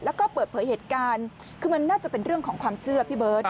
แล้วก็เปิดเผยเหตุการณ์คือมันน่าจะเป็นเรื่องของความเชื่อพี่เบิร์ต